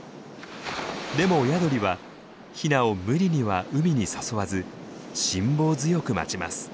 でも親鳥はヒナを無理には海に誘わず辛抱強く待ちます。